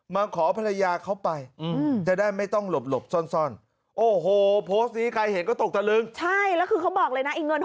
มาขอภรรยาเขาไปจะได้ไม่ต้องหลบซ่อน